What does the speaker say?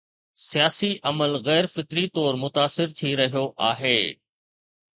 سياسي عمل غير فطري طور متاثر ٿي رهيو آهي.